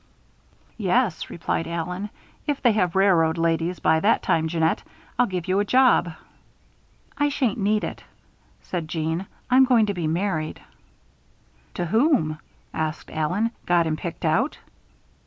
"Yes," replied Allen. "If they have railroad ladies, by that time, Jeannette, I'll give you a job." "I shan't need it," said Jeanne. "I'm going to be married." "To whom?" asked Allen. "Got him picked out?"